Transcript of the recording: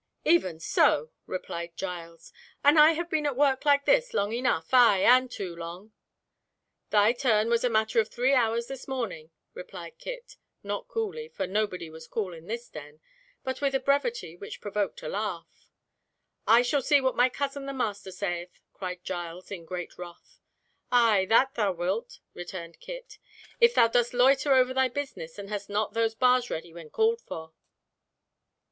"Even so," replied Giles, "and I have been at work like this long enough, ay, and too long!" "Thy turn was a matter of three hours this morning," replied Kit—not coolly, for nobody was cool in his den, but with a brevity which provoked a laugh. "I shall see what my cousin the master saith!" cried Giles in great wrath. "Ay, that thou wilt," returned Kit, "if thou dost loiter over thy business, and hast not those bars ready when called for."